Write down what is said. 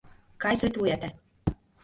Kaj svetujete?